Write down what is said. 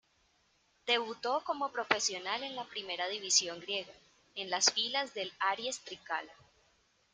Debutó como profesional en la primera división griega, en las filas del Aries Trikala.